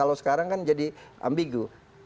kalau sekarang kan jadi ambigu